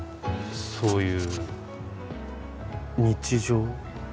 そういう日常？